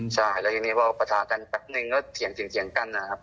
ใช่แล้วทีนี้พอปะทะกันแป๊บนึงก็เถียงกันนะครับ